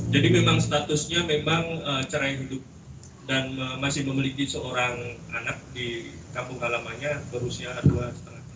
jadi memang statusnya memang cerai hidup dan masih memiliki seorang anak di kampung halamanya berusia dua lima tahun